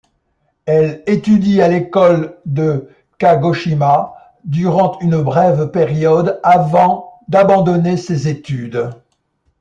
Elle étudie à l'école de Kagoshima durant une brève période avant d'abandonner ses études.